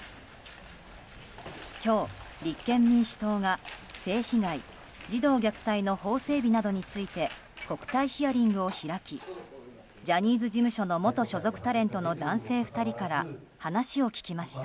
今日、立憲民主党が性被害・児童虐待の法整備などについて国対ヒアリングを開きジャニーズ事務所の元所属タレントの男性２人から話を聞きました。